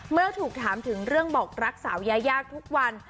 เมื่อถูกถามถึงเรื่องบอกรักสาวยายาทุกวัน